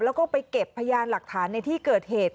แล้วก็ไปเก็บพยานหลักฐานในที่เกิดเหตุ